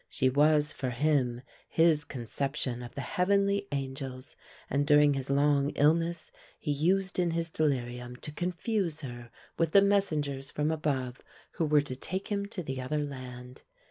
She was for him his conception of the heavenly angels and during his long illness he used in his delirium to confuse her with the messengers from above who were to take him to the other land.